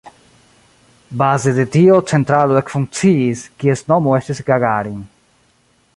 Baze de tio centralo ekfunkciis, kies nomo estis Gagarin.